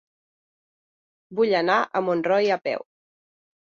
Vull anar a Montroi a peu.